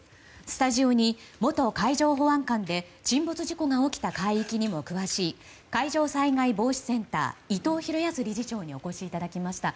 スタジオに元海上保安監で沈没事故が起きた海域にも詳しい海上災害防止センター伊藤裕康理事長にお越しいただきました。